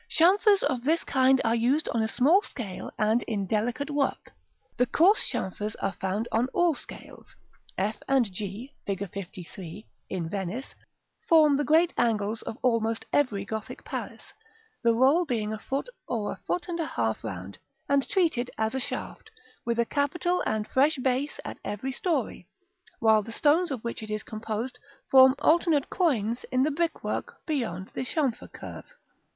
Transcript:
Chamfers of this kind are used on a small scale and in delicate work: the coarse chamfers are found on all scales: f and g, Fig. LIII., in Venice, form the great angles of almost every Gothic palace; the roll being a foot or a foot and a half round, and treated as a shaft, with a capital and fresh base at every story, while the stones of which it is composed form alternate quoins in the brickwork beyond the chamfer curve.